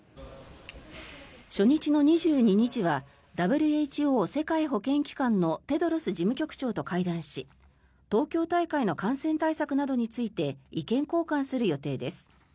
初日の２２日はＷＨＯ・世界保健機関のテドロス事務局長と会談し東京大会の感染対策などについて意見交換する予定です。